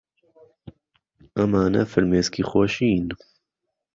ئەمانە فرمێسکی خۆشین.